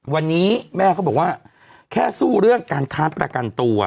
วันนี้แม่ก็บอกว่าแค่สู้เรื่องการค้านประกันตัว